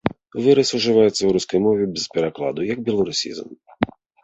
Выраз ужываецца ў рускай мове без перакладу, як беларусізм.